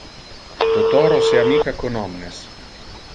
Totoro se amica con omnes.